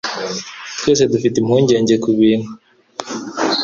Twese dufite impungenge kubintu.